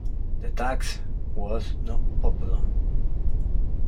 The tax was not popular.